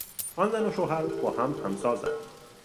آن زن و شوهر با هم همسازند.